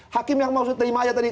hakim yang mau terima aja tadi